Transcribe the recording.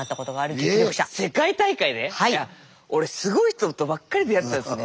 じゃ俺すごい人とばっかり出会ったんすね。